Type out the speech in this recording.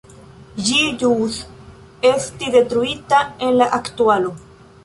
Ĝi ĵus esti detruita en la aktualo.